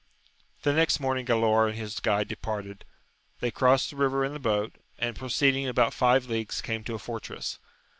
The next morning Galaor and his guide departed \ they crossed the river in the boat, and proceeding about five leagues came to a fortress.